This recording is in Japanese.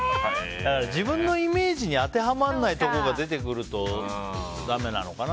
自分のイメージに当てはまらないところが出てくるとだめなのかな。